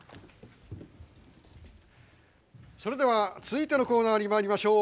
それでは続いてのコーナーにまいりましょう。